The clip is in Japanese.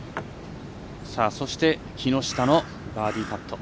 木下のバーディーパット。